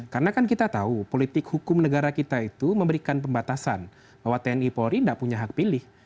karena kan kita tahu politik hukum negara kita itu memberikan pembatasan bahwa tni polri tidak punya hak pilih